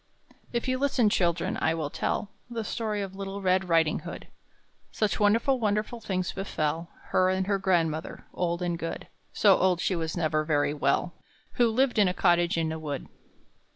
If you listen, children, I will tell The story of little Red Riding hood: Such wonderful, wonderful things befell Her and her grandmother, old and good (So old she was never very well), Who lived in a cottage in a wood.